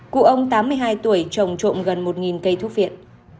cụ ông tám mươi hai tuổi trồng trộm gần một cây thuốc viện